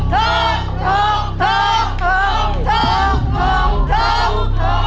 โท๊กโท๊กโท๊ก